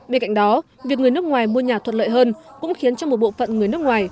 bên cạnh đó việc người nước ngoài mua nhà thuận lợi hơn cũng khiến cho một bộ phận người nước ngoài